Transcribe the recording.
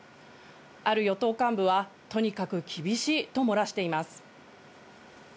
ある与党幹部は、とにかく厳しいと漏らしています。